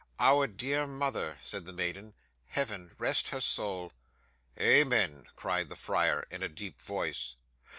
'"Our dear mother," said the maiden; "Heaven rest her soul!" '"Amen!" cried the friar in a deep voice.